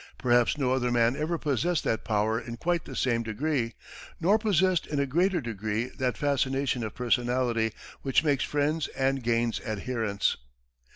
Perhaps no other man ever possessed that power in quite the same degree; nor possessed in a greater degree that fascination of personality which makes friends and gains adherents.